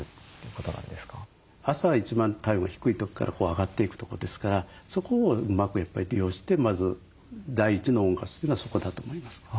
朝が一番体温が低い時から上がっていくとこですからそこをうまくやっぱり利用してまず第一の温活というのはそこだと思いますよね。